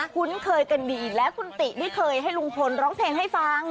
คุ้นเคยกันดีและคุณติได้เคยให้ลุงพลร้องเพลงให้ฟัง